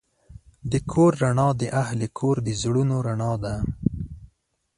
د کور رڼا د اهلِ کور د زړونو رڼا ده.